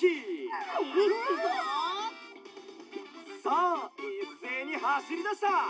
さあいっせいにはしりだした！